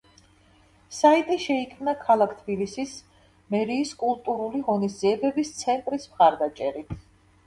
საიტი შეიქმნა ქალაქ თბილისის მერიის კულტურული ღონისძიებების ცენტრის მხარდაჭერით.